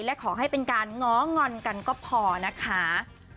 และขอให้เป็นการง้องอนกันก็พอนะคะ